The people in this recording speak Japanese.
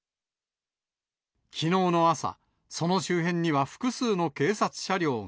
きのうの朝、その周辺には複数の警察車両が。